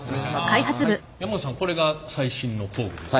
山口さんこれが最新の工具ですか。